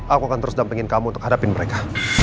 aku akan terus dampingin kamu untuk hadapin mereka